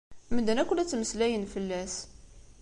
Medden akk la ttmeslayen fell-as.